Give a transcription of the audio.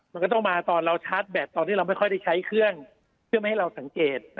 มันก็ต้องมาตอนเราชาร์จแบตตอนที่เราไม่ค่อยได้ใช้เครื่องเพื่อไม่ให้เราสังเกต